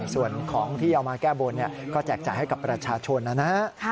ส่วนของที่เอามาแก้บนก็แจกจ่ายให้กับประชาชนนะฮะ